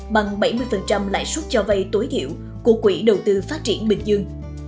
bằng bảy mươi lãi suất cho vây tối hiệu của quỹ đầu tư phát triển bình dương